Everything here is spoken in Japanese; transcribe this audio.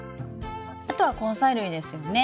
あとは根菜類ですよね。